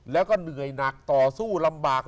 แล้วก็เหนื่อยหนักต่อสู้ลำบาก